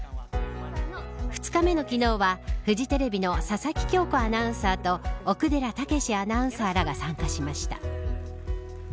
２日目の昨日はフジテレビの佐々木恭子アナウンサーと奥寺健アナウンサーらが参加しました。